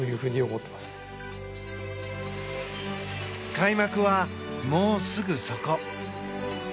開幕は、もうすぐそこ。